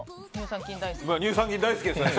乳酸菌大好きですよね。